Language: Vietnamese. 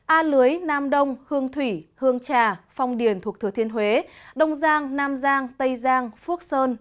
a lưới nam đông hương thủy hương trà phong điền thuộc thừa thiên huế đông giang nam giang tây giang phước sơn